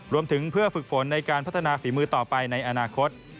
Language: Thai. รวมถึงเพื่อฝึกฝนในการพัฒนาฝีมือต่อไปในอนาคต